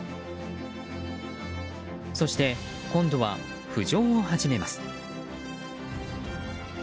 そして今度は浮上を始めます。